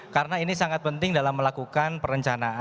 karena ini sangat penting dalam melakukan perencanaan tenaga kerja